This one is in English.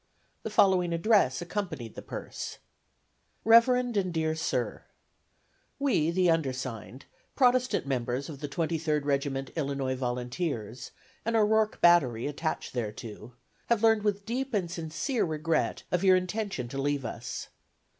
The following address accompanied the purse: Rev. and Dear Sir: We, the undersigned, Protestant members of the Twenty third Regiment Illinois Volunteers, and O'Rourke Battery attached thereto, have learned with deep and sincere regret of your intention to leave us.